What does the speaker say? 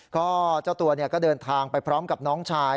ก็เจ้าตัวก็เดินทางไปพร้อมกับน้องชาย